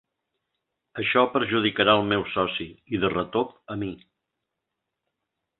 Això perjudicarà el meu soci i, de retop, a mi.